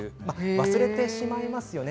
忘れてしまいますよね